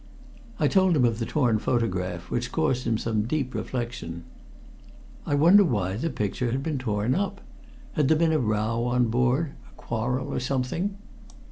I told him of the torn photograph, which caused him some deep reflection. "I wonder why the picture had been torn up. Had there been a row on board a quarrel or something?"